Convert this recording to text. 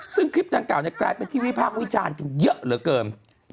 ซึ่งคลิปดังกล่าวจะเป็นที่วิภาพมุยจานเป็นเยอะเหลือเกิน